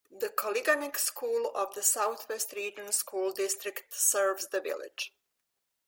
The Koliganek School of the Southwest Region School District serves the village.